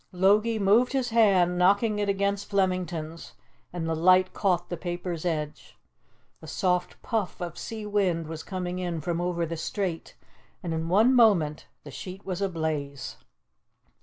Logie moved his hand, knocking it against Flemington's, and the light caught the paper's edge. A soft puff of sea wind was coming in from over the strait, and in one moment the sheet was ablaze.